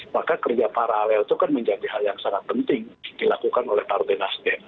maka kerja paralel itu kan menjadi hal yang sangat penting dilakukan oleh partai nasdem